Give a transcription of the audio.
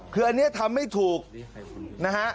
คือเนี้ย์ทำไม่ถูกนะฮะ